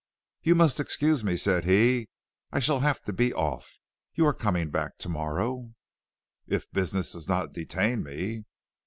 "You must excuse me," said he, "I shall have to be off. You are coming back to morrow?" "If business does not detain me."